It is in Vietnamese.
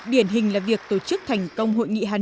điển hình là việc tổ chức thành công hội nghị hạng